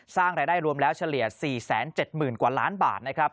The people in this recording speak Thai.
สร้างรายได้รวมแล้วเฉลี่ย๔๗๐๐๐กว่าล้านบาทนะครับ